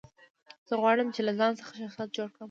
زه غواړم، چي له ځان څخه شخصیت جوړ کړم.